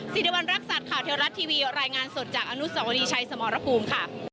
สิริวัณรักษัตริย์ข่าวเทวรัฐทีวีรายงานสดจากอนุสวรีชัยสมรภูมิค่ะ